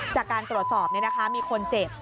จากการตรวจสอบเนี่ยนะคะมีคนเจ็บ